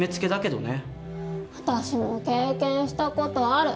私も経験した事ある。